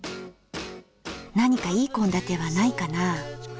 何かいい献立はないかな？